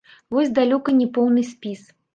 Вось далёка не поўны спіс.